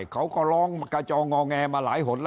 ก็ต้องก่อนที่บินของตใบดู